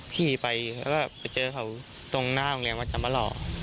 ขี่ไปแล้วก็ไปเจอเขาตรงหน้าโรงเรียนว่าจะมาหล่อ